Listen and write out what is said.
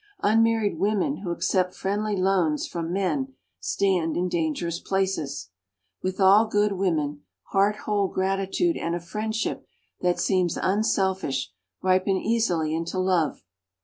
Unmarried women who accept friendly loans from men stand in dangerous places. With all good women, heart whole gratitude and a friendship that seems unselfish ripen easily into love.